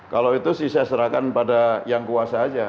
kalau itu sih saya serahkan pada yang kuasa aja